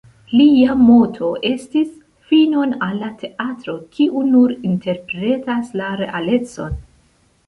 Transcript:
Lia moto estis: "„Finon al la teatro, kiu nur interpretas la realecon!